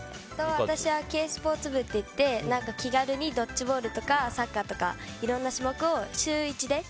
私は軽スポーツ部といって気軽にドッジボールとかサッカーとかいろんな種目を週１で。